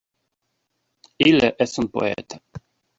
Ille es un poeta.